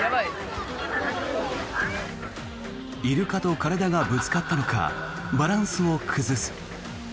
イルカと体がぶつかったのかバランスを崩す。